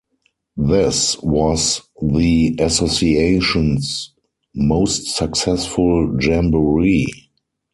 This was the Association's most successful jamboree.